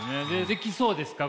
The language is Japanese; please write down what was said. できそうですか？